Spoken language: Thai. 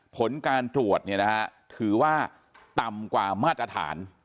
ผลการตรวจเนี่ยนะฮะถือว่าต่ำกว่ามาตรฐาน